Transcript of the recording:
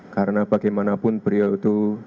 karena bagaimanapun beliau itu